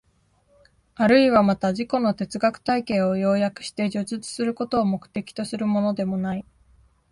あるいはまた自己の哲学体系を要約して叙述することを目的とするものでもない。